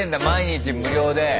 毎日無料で。